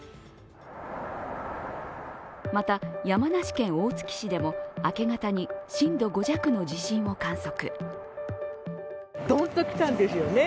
また、山梨県大月市でも明け方に震度５弱の地震を観測。